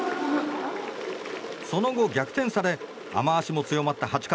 その後、逆転され雨脚も強まった８回。